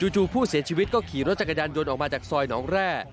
ผู้เสียชีวิตก็ขี่รถจักรยานยนต์ออกมาจากซอยหนองแร่